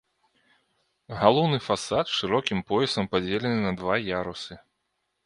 Галоўны фасад шырокім поясам падзелены на два ярусы.